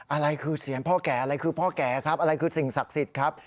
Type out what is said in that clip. อะไรคือเสียงพ่อแก่อะไรคือพ่อแก่ครับอะไรคือสิ่งศักดิ์สิทธิ์ครับ